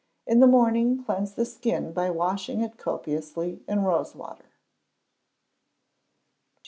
In the morning cleanse the skin by washing it copiously in rose water. 2442.